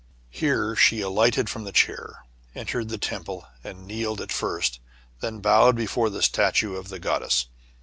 Here she alighted from the chair, entered the temple, and kneeled at first ; then bowed before the statue of the goddess.